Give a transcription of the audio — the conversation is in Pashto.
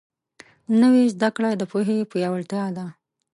نوې زده کړه د پوهې پیاوړتیا ده